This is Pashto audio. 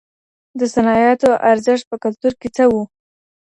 د صنايعو ارزښت په کلتور کي څه و؟